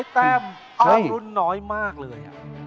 แต้มอ้างรุ่นน้อยมากเลย